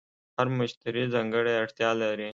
هر مشتری ځانګړې اړتیا لري.